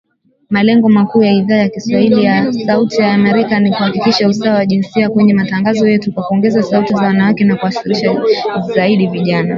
Malengo makuu ya Idhaa ya kiswahili ya Sauti ya Amerika ni kuhakikisha usawa wa jinsia kwenye matangazo yetu kwa kuongeza sauti za wanawake na kuwashirikisha zaidi vijana